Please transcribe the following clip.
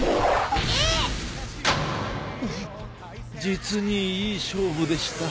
実にいい勝負でした。